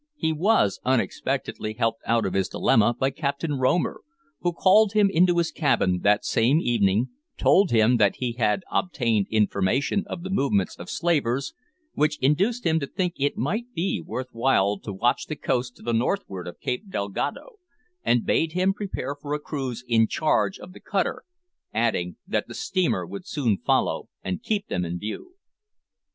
He was unexpectedly helped out of his dilemma by Captain Romer, who called him into his cabin that same evening, told him that he had obtained information of the movements of slavers, which induced him to think it might be worth while to watch the coast to the northward of Cape Dalgado, and bade him prepare for a cruise in charge of the cutter, adding that the steamer would soon follow and keep them in view.